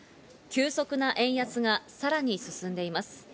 急速な円安がさらに進んでいます。